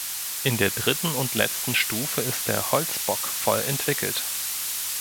In der dritten und letzten Stufe ist der Holzbock voll entwickelt.